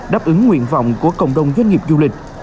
đáp ứng nguyện vọng của cộng đồng doanh nghiệp du lịch